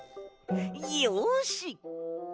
よし！